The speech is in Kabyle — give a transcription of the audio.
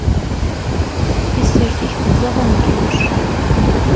Tissirt-ik teẓẓad amegruc.